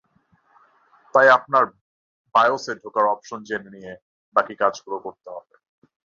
তাই আপনার বায়োসে ঢোকার অপশন জেনে নিয়ে বাকি কাজগুলো করতে হবে।